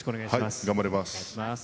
頑張ります。